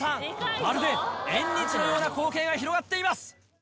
まるで縁日のような光景が広がっています。